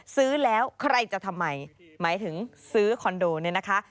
ซื้อแล้วใครจะทำไมหมายถึงซื้อคอนโดเนี่ยนะคะ